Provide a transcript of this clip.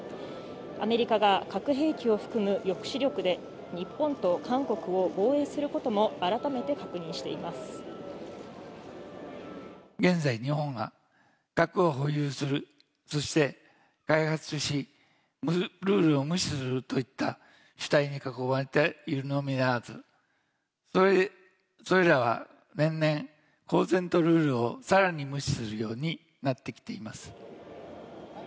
アメリカが核兵器を含む抑止力で日本と韓国を防衛することも、現在、日本は核を保有する、そして開発をし、ルールを無視するといった主体に囲まれているのみならず、それらは年々、公然とルールをさらに無視するようになってきています。